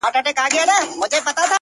ه یاره دا زه څه اورمه، څه وینمه،